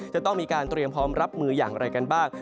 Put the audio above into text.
จะต้องมีการเตรียมพร้อมรับมืออย่างไรกันบ้าง